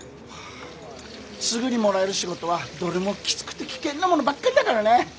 すぐにもらえる仕事はどれもきつくて危険なものばっかりだからね。